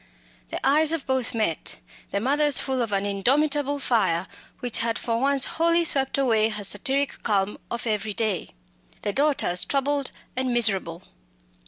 The eyes of both met the mother's full of an indomitable fire which had for once wholly swept away her satiric calm of every day; the daughter's troubled and miserable.